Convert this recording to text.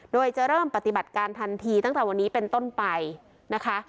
โดยจะเริ่มปฏิบัติการทันทีตั้งแต่วันนี้เป็นต้นไปนะคะ